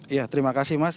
ya terima kasih mas